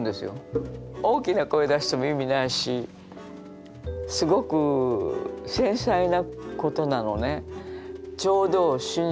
大きな声出しても意味ないしすごく繊細なことなのね。